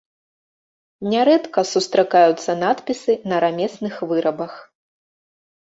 Нярэдка сустракаюцца надпісы на рамесных вырабах.